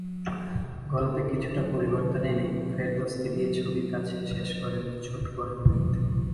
গল্পে কিছুটা পরিবর্তন এনে ফেরদৌসকে দিয়ে ছবির কাজ শেষ করেন ছটকু আহমেদ।